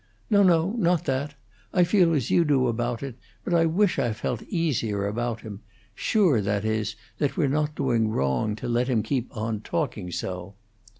"No, no; not that. I feel as you do about it; but I wish I felt easier about him sure, that is, that we're not doing wrong to let him keep on talking so."